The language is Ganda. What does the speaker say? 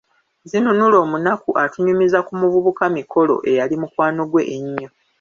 Zinunula omunaku atunyumiza ku muvubuka Mikolo eyali mukwano ggwe ennyo.